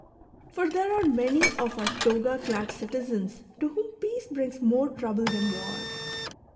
For there are manv of our toga clad citizens to whom peace brings more trouble than war.